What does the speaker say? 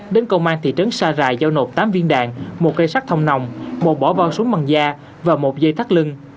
đến công an thị trấn sai rai giao nộp tám viên đạn một cây sắt thông nồng một bỏ bao súng bằng da và một dây thắt lưng